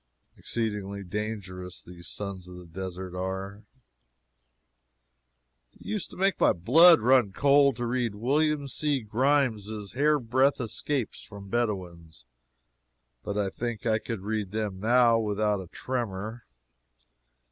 Exceedingly dangerous these sons of the desert are. It used to make my blood run cold to read Wm. C. Grimes' hairbreadth escapes from Bedouins, but I think I could read them now without a tremor.